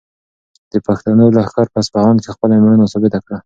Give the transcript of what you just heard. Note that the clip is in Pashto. د پښتنو لښکر په اصفهان کې خپله مېړانه ثابته کړه.